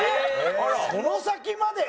その先まで！？